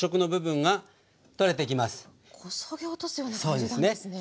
こそげ落とすような感じなんですね。